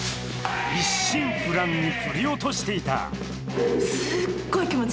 一心不乱に振り落としていた。